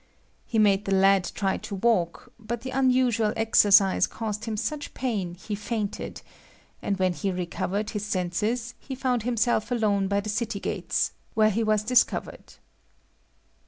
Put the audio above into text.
He made the lad try to walk, but the unusual exercise caused him such pain that he fainted; and when he recovered his senses he found himself alone by the city gates, where he was discovered.